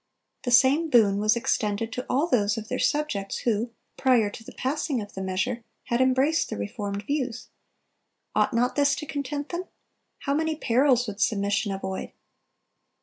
The same boon was extended to all those of their subjects who, prior to the passing of the measure, had embraced the reformed views. Ought not this to content them? How many perils would submission avoid!